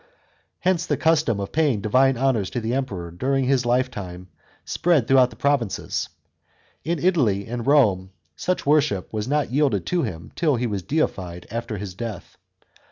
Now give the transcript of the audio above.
Hence the custom of paying divine honours to the Emperor during his lifetime spread throughout the provinces ; in Italy and Home such worship was not yielded 10 him till he was deified after death.